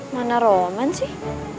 mana roman sih